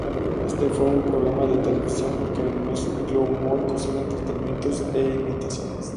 Este fue un programa de televisión que mezcló humor, cocina, entretenimientos e imitaciones.